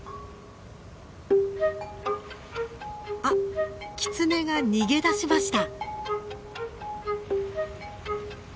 あっキツネが逃げ出しました。